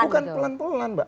bukan pelan pelan mbak